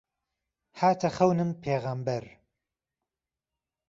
هاته خهونم پێغهمبهر